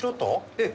ええ。